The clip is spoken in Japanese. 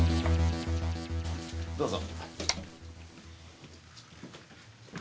どうぞ。